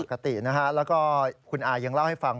ปกตินะฮะแล้วก็คุณอายังเล่าให้ฟัง